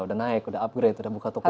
sudah naik sudah upgrade sudah buka toko baru